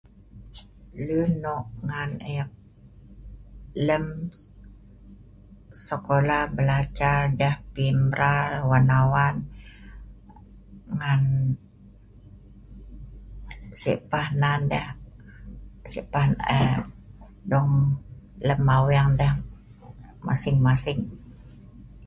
Lun nok ngan eek lem sekola, deh p mral lem aweng deh hlong.